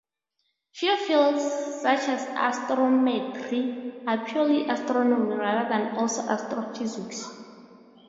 Few fields, such as astrometry, are purely astronomy rather than also astrophysics.